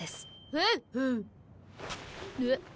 ほうほう。おっ？